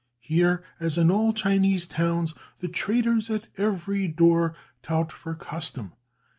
Here, as in all Chinese towns, the traders at every door tout for custom.